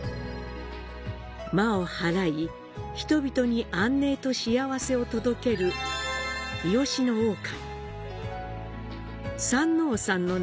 魔を祓い、人々に安寧と幸せを届ける日吉大神。